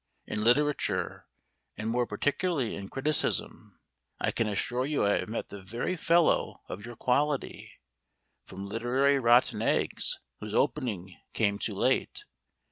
In literature, and more particularly in criticism, I can assure you I have met the very fellow of your quality, from literary rotten eggs whose opening came too late.